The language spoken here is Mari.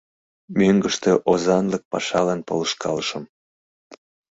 Мӧҥгыштӧ озанлык пашалан полышкалышым.